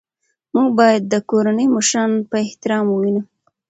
موږ باید د کورنۍ مشران په احترام ووینو